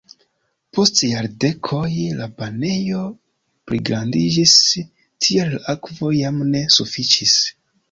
Post jardekoj la banejo pligrandiĝis, tial la akvo jam ne sufiĉis.